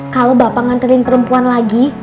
kalau bapak nganterin perempuan lagi